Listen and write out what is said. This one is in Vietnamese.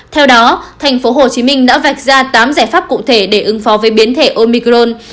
theo đó tp hcm đã vạch ra tám giải pháp cụ thể để ứng phó với biến thể omicron